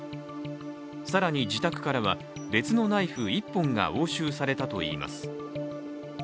更に自宅からは別のナイフ１本が押収されたといいます。